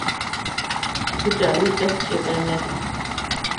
Ti carî dest jê bernede.